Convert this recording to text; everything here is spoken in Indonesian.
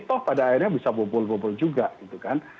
toh pada akhirnya bisa bobol bobol juga gitu kan